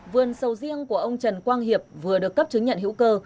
vườn sầu riêng của ông trần quang hiệp vừa được cấp chứng nhận hữu cơ